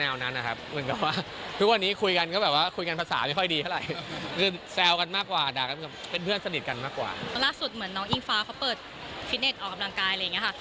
เอากับร่างกายอะไรอย่างงี้ค่ะ